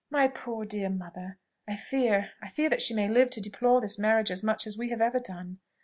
"My poor dear mother! I fear, I fear that she may live to deplore this marriage as much as we have ever done.